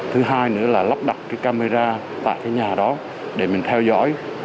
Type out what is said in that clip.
thứ hai nữa là lắp đặt cái camera tại cái nhà đó để mình theo dõi